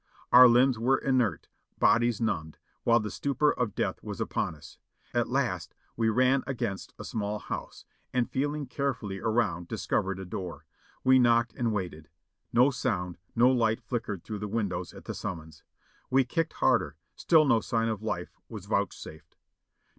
Our limbs were inert, bodies numbed, while the stupor of death was upon us. At last we ran against a small house, and feeling care fully around discovered a door. We knocked and waited. No sound, no light flickered through the windows at the summons. We kicked harder, still no sign of life was vouchsafed.